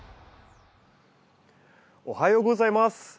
おはようございます。